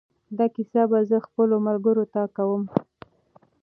دا کیسه به زه خپلو ملګرو ته کوم.